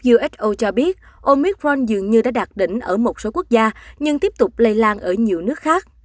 uso cho biết omicron dường như đã đạt đỉnh ở một số quốc gia nhưng tiếp tục lây lan ở nhiều nước khác